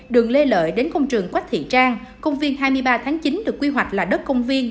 đường lê lợi đến công trường quách thị trang công viên hai mươi ba tháng chín được quy hoạch là đất công viên